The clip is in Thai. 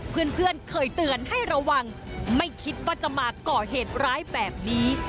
เพื่อนเคยเตือนให้ระวังไม่คิดว่าจะมาก่อเหตุร้ายแบบนี้